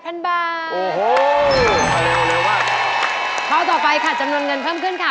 โอ้โฮเร็วมากข้อต่อไปค่ะจำนวนเงินเพิ่มขึ้นค่ะ